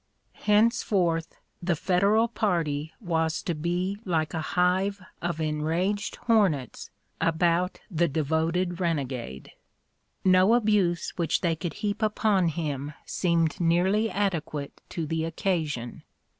Henceforth the Federal party was to be like a hive of enraged hornets about the devoted renegade. No abuse which they could heap upon him seemed nearly adequate to the occasion.